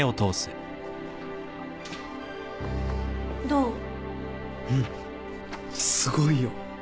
うんすごいよ。